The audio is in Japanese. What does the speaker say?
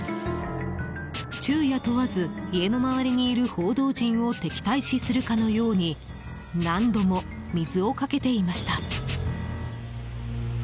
昼夜問わず家の周りにいる報道陣を敵対視するかのように何度も水をかけていました。